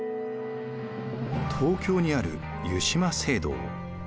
東京にある湯島聖堂。